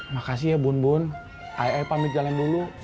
makasih ya bun bun ai ai pamit jalan dulu